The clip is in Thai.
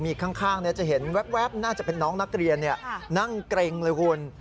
มีข้างจะเห็นแว๊บน่าจะเป็นน้องนักเรียนนั่งเกร็งเลยคุณ